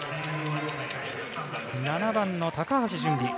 ７番の高橋、準備。